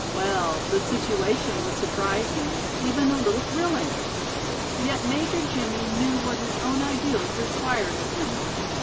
Well the situation was surprising even a little thrilling! Yet Major Jimmie knew what his own ideals required of him.